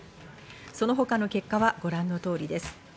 その他の結果はご覧の通りです。